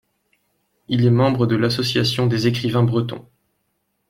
Il est membre de l'Association des écrivains bretons.